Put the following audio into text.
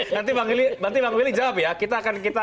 oke oke nanti bang willy jawab ya